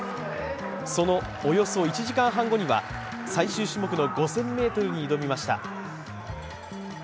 そのおよそ１時間半後には最終種目の５０００ｍに挑みました。